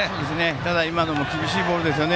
ただ今のも厳しいボールですね。